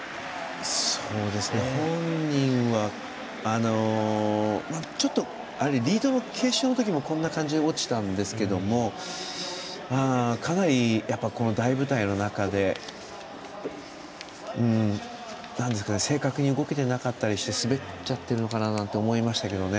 本人は、ちょっとリードの決勝の時もこんな感じで落ちたんですけれどもかなり、この大舞台の中で正確に動けてなかったりして滑っちゃってるのかななんて思いましたけどね。